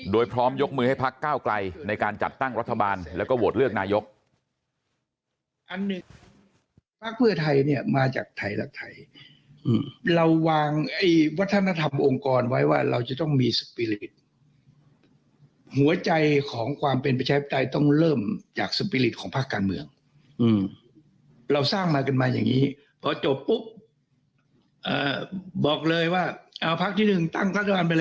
โดยพร้อมยกมือให้พักก้าวไกลในการจัดตั้งรัฐบาลแล้วก็โหวตเลือกนายก